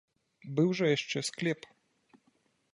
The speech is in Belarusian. Быў жа яшчэ склеп.